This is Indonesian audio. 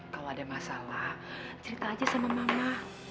kalau ada masalah cerita aja sama mama